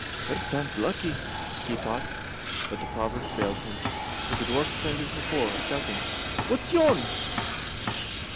"Third time's lucky," he thought. But the proverb failed him, for the Dwarf turned as before, shouting: "What's yon?"